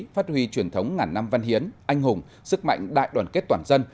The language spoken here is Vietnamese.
phát huy truyền thống ngàn năm văn hiến anh hùng sức mạnh đại đoàn kết toàn dân